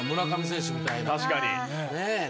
確かに！